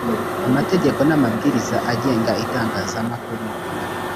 amategeko n’amabwiriza agenga itangazamakuru